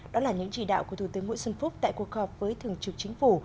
đó là những chỉ đạo của thủ tướng nguyễn xuân phúc tại quốc hợp với thường trực chính phủ